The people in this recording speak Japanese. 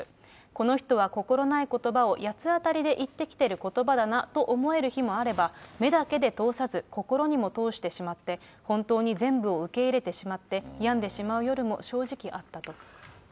その人は心ないことばを八つ当たりで言ってきてることばだなと思える日もあれば、目だけで通さず、心にも通してしまって、本当に全部を受け入れてしまって、病んでしまう夜も正直あったと。